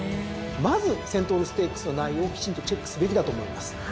まずセントウルステークスの内容をきちんとチェックすべきだと思います。